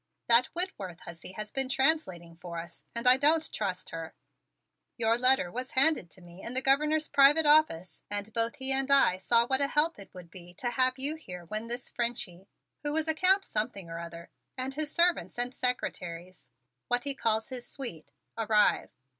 That Whitworth hussy has been translating for us and I don't trust her. Your letter was handed to me in the Governor's private office and both he and I saw what a help it would be to have you here when this Frenchie who is a Count Something or Other and his servants and secretaries, what he calls his suite, arrive.